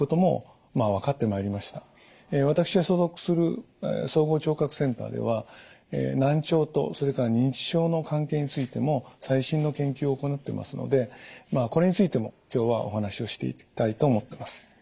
私が所属する総合聴覚センターでは難聴とそれから認知症の関係についても最新の研究を行ってますのでこれについても今日はお話をしていきたいと思ってます。